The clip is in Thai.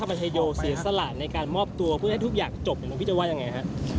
ฐานโธนชายโยนเรียนสลาดในการมอบตัวเพื่อให้ทุกอย่างจบหลวงพี่จะว่ายังไงฮะ